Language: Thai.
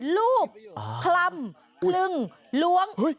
รูปคลำคลึงล้วง